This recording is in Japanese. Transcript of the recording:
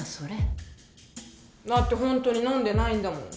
だってホントに飲んでないんだもん。